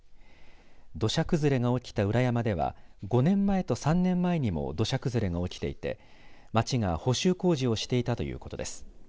土砂崩れが起きた裏山では５年前と３年前にも土砂崩れが起きていて町が補修工事をしていたということです。